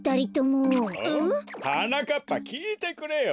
はなかっぱきいてくれよ！